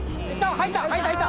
入った！